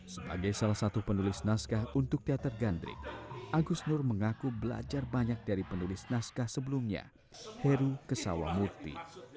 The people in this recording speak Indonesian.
sebagai salah satu penulis naskah untuk teater gandrik agus nur mengaku belajar banyak dari penulis naskah sebelumnya heru kesawamukti